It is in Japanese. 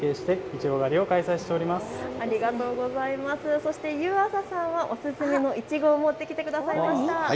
そして湯浅さんはお薦めのいちごを持ってきてくださいました。